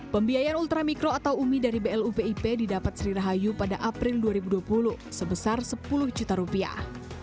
pembiayaan ultramikro atau umi dari blu pip didapat sri rahayu pada april dua ribu dua puluh sebesar sepuluh juta rupiah